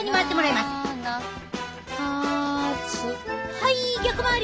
はい逆回り！